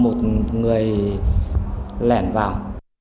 một người lẹn vào